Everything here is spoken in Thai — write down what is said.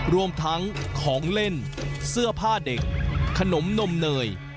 รวมทั้งของเล่นเสื้อผ้าเด็กขนมนมเนย